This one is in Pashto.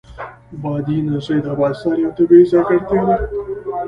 بادي انرژي د افغانستان یوه طبیعي ځانګړتیا ده.